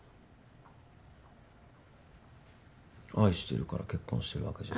愛してるから結婚してるわけじゃん。